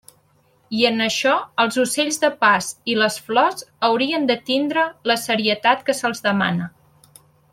I en això els ocells de pas, i les flors, haurien de tindre la serietat que se'ls demana.